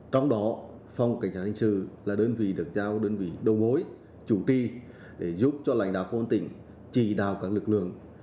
trong đó phòng cảnh sát hình sự là đơn vị được giao đơn vị đồng bối chủ ti để giúp cho lãnh đạo phòng tỉnh chỉ đào các lực lượng